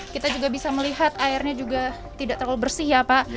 kita juga bisa melihat airnya juga tidak terlalu bersih ya pak